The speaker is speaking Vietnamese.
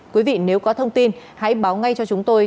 quý vị nếu có thông tin hãy báo ngay cho chúng tôi